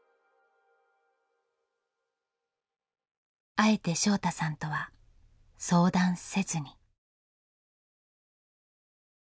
あえて翔大さんとは相談せずに。